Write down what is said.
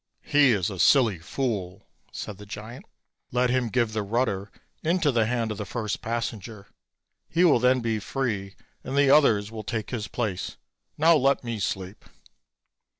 "He is a silly fool!" said the giant. "Let him give the rudder into the hand of the first passenger; he will then be free and the other will take his place. Now let me sleep."